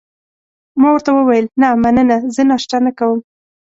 ما ورته وویل: نه، مننه، زه ناشته نه کوم.